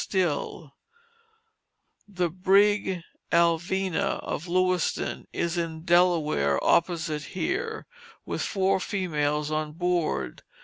STILL: The brig Alvena, of Lewistown, is in the Delaware opposite here, with four females on board.